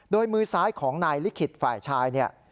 โดยมือซ้ายของนายลิขิตฝ่ายชายเนี่ย